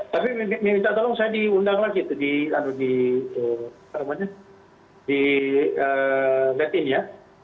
tapi minta tolong saya diundang lagi di let in ya